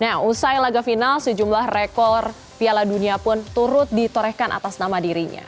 nah usai laga final sejumlah rekor piala dunia pun turut ditorehkan atas nama dirinya